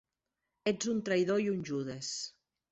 Ets un traïdor i un judes.